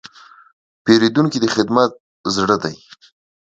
پیرودونکی د خدمت زړه دی.